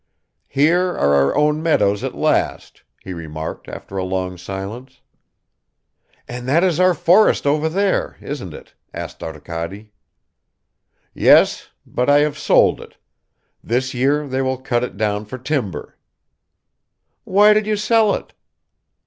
"Here are our own meadows at last," he remarked after a long silence. "And that is our forest over there, isn't it?" asked Arkady. "Yes. But I have sold it. This year they will cut it down for timber." "Why did you sell it?"